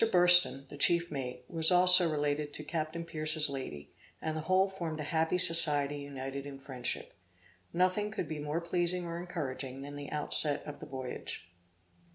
Burston, the chief mate, was also related to Captain Pierce's lady, and the whole formed a happy society united in friendship. Nothing could be more pleasing or encouraging than the outset of the voyage.